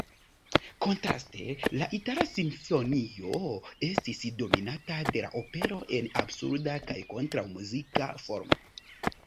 Kontraste, la itala simfonio estis dominata de la opero en "absurda kaj kontraŭ-muzika formo".